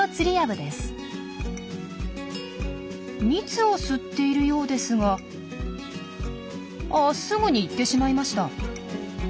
蜜を吸っているようですがあすぐに行ってしまいました。